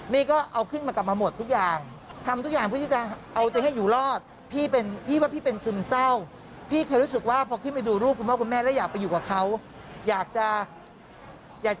นี่ก็เอาขึ้นมากลับมาหมดทุกอย่าง